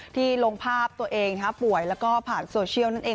ลงภาพตัวเองป่วยแล้วก็ผ่านโซเชียลนั่นเอง